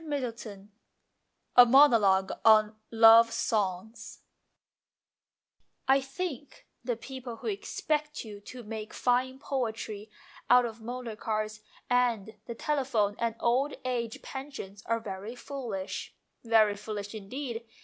XXXI A MONOLOGUE ON LOVE SONGS " I THINK the people who expect you to make fine poetry out of motor cars and the tele phone and old age pensions are very foolish, very foolish indeed.